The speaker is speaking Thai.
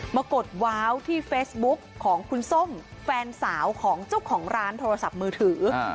กดว้าวที่เฟซบุ๊กของคุณส้มแฟนสาวของเจ้าของร้านโทรศัพท์มือถือ